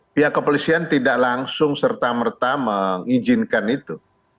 pihak kepolisian tidak langsung serta merta mengizinkan itu